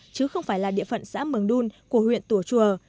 chứ không phải là địa phận xã mường đun của huyện tùa chùa